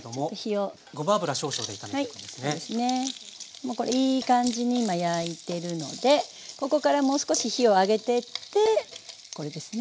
もうこれいい感じに今焼いてるのでここからもう少し火を上げてってこれですね。